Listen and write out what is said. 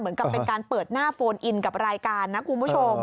เหมือนกับเป็นการเปิดหน้าโฟนอินกับรายการนะคุณผู้ชม